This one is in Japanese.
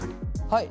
はい。